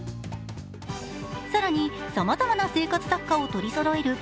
更に、さまざまな生活雑貨を取りそろえる